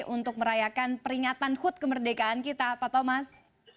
untuk merayakan peringatan hut kemerdekaan kita pak thomas